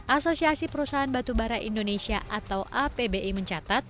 asosiasi perusahaan batubara indonesia atau apbi mencatat